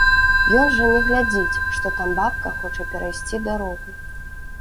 Ён жа не глядзіць, што там бабка хоча перайсці дарогу.